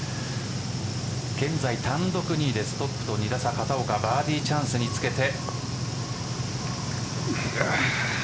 現在、単独２位でトップと２打差片岡、バーディーチャンスにつけて。